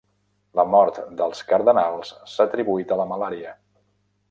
La mort dels cardenals s'ha atribuït a la malària.